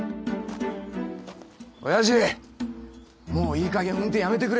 親父もういいかげん運転やめてくれ。